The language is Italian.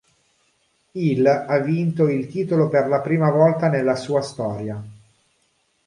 Il ha vinto il titolo per la prima volta nella sua storia.